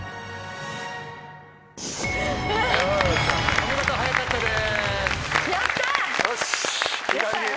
お見事早かったです。